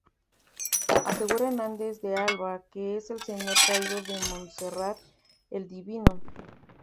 Asegura Hernández de Alba que es El Señor Caído de Monserrate ¡El divino!